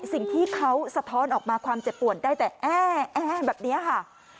สิ่งที่เขาสะท้อนออกมาความเจ็บปวดได้แต่แอ้แบบนี้ค่ะ